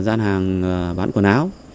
mở gian hàng bán quần áo